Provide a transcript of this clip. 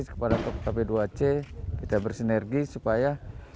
ya harapan kita kita berterima kasih kepada kpp dua c kita bersinergi supaya